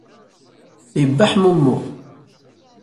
yebbaḥ mummu.